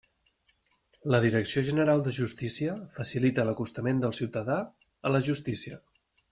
La Direcció General de Justícia facilita l'acostament del ciutadà a la Justícia.